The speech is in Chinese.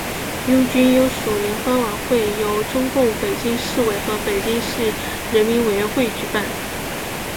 拥军优属联欢晚会由中共北京市委和北京市人民委员会举办。